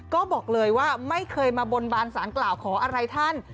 ก็บอกเลยว่าไม่เคยมาบนบานสารกล่าวขออะไรท่าน